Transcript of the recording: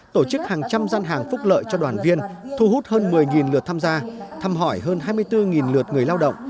tổ chức hàng trăm gian hàng phúc lợi cho đoàn viên thu hút hơn một mươi lượt tham gia thăm hỏi hơn hai mươi bốn lượt người lao động